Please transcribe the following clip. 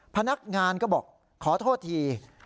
พนักงานก็บอกขอโทษที